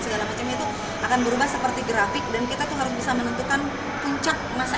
segala macam itu akan berubah seperti grafik dan kita tuh harus bisa menentukan puncak masa